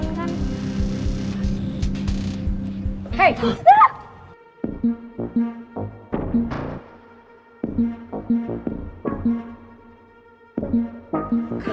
mungkin gak kedengeran kan